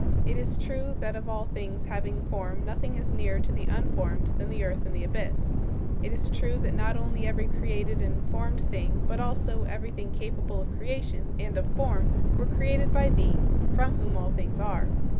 It is true that of all things having form nothing is nearer to the unformed than the earth and the abyss. It is true that not only every created and formed thing but also everything capable of creation and of form were created by Thee, from whom all things are.